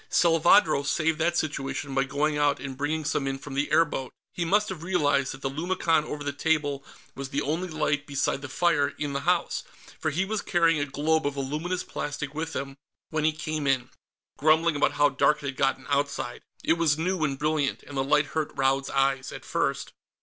Salvadro saved that situation by going out and bringing some in from the airboat. He must have realized that the lumicon over the table was the only light beside the fire in the house, for he was carrying a globe of the luminous plastic with him when he came in, grumbling about how dark it had gotten outside. It was new and brilliant, and the light hurt Raud's eyes, at first.